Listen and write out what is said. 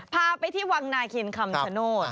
พาไปที่วังนาคินคำชโนธ